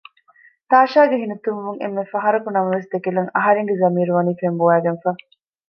ތާޝާގެ ހިނިތުންވުން އެންމެ ފަހަރަކު ނަމަވެސް ދެކިލަން އަހަރެގެ ޒަމީރު ވަނީ ފެންބޮވައިގެންފަ